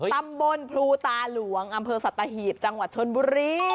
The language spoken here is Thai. ตำบลพรูตาหลวงอสัตวาหีพจชนบุรี